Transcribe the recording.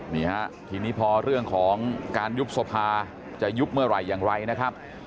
นี่ฮะทีนี้พอเรื่องของการยุบสภาจะยุบเมื่อไหร่อย่างไรนะครับ